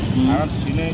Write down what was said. karena di sini